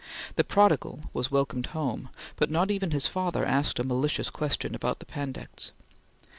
The prodigal was welcomed home, but not even his father asked a malicious question about the Pandects.